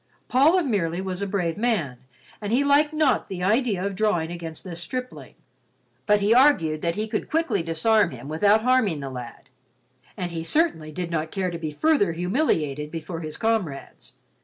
Paul of Merely was a brave man and he liked not the idea of drawing against this stripling, but he argued that he could quickly disarm him without harming the lad, and he certainly did not care to be further humiliated before his comrades.